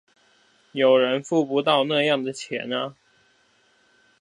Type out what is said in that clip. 有人付不到那樣的錢啊